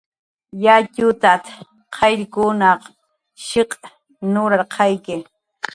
"Yatxutat"" qayllkunaq shiq' nurarqayki"